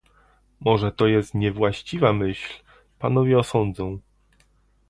"Może to jest niewłaściwa myśl... Panowie osądzą."